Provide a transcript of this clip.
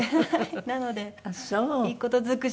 なのでいい事尽くしで。